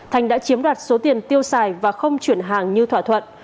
thành đã chiếm đoạt số tiền tiêu xài và không chuyển hàng như thỏa thuận